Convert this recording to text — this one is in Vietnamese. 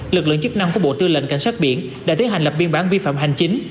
lực lượng chức năng của bộ tư lệnh cảnh sát biển đã tiến hành lập biên bản vi phạm hành chính